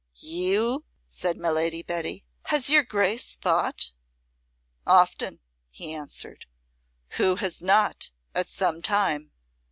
"You!" said my Lady Betty. "Has your Grace thought?" "Often," he answered. "Who has not, at some time?